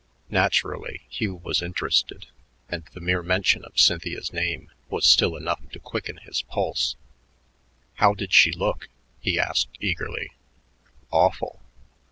Naturally, Hugh was interested, and the mere mention of Cynthia's name was still enough to quicken his pulse. "How did she look?" he asked eagerly. "Awful."